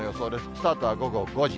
スタートは午後５時。